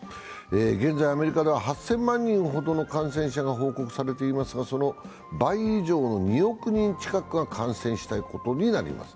現在アメリカでは８０００万人ほどの感染者が報告されていますが、その倍以上の２億人近くが感染したことになります。